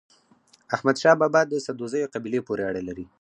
احمد شاه بابا د سدوزيو قبيلې پورې اړه لري.